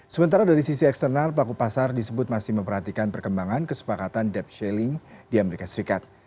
sementara dari sisi eksternal pelaku pasar disebut masih memperhatikan perkembangan kesepakatan debt shailing di amerika serikat